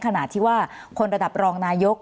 ขณะที่ว่าคนระดับรองนายก